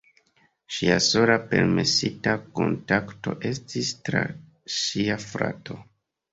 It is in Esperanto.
Ŝia sola permesita kontakto estis tra ŝia frato.